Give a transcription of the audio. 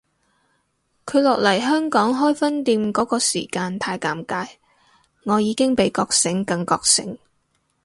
佢落嚟香港開分店嗰個時間太尷尬，我已經比覺醒更覺醒